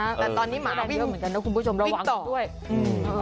แต่ตอนนี้หมาเยอะเหมือนกันแล้วคุณผู้ชมระวังกันด้วย